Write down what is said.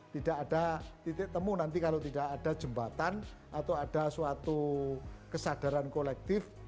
tidak ada titik temu nanti kalau tidak ada jembatan atau ada suatu kesadaran kolektif